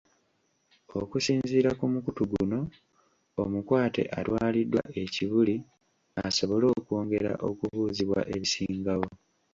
Okusinziira ku mukutu guno omukwate atwaliddwa e Kibuli asobole okwongera okubuuzibwa ebisingawo.